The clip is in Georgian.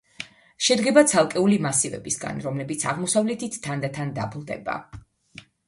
შედგება ცალკეული მასივებისაგან, რომლებიც აღმოსავლეთით თანდათან დაბლდება.